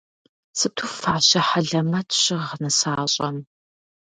Сыту фащэ хьэлэмэт щыгъ нысащӏэм.